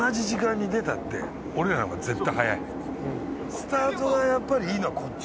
スタートがやっぱりいいのはこっち。